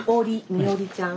「みおり」ちゃん。